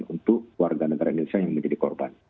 untuk warga negara indonesia yang menjadi korban